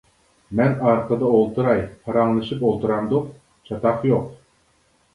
مەن ئارقىدا ئولتۇراي پاراڭلىشىپ ئولتۇرامدۇق؟ -چاتاق يوق!